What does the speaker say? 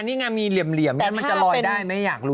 อ่างที่บ้าน